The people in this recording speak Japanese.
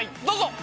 どうぞ！